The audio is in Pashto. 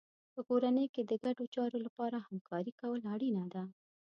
په کورنۍ کې د ګډو چارو لپاره همکاري کول اړینه ده.